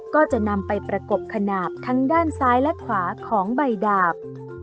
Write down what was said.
ก็จะนำไปประกบขนาดทั้งด้านซ้ายและขวาของใบดาบ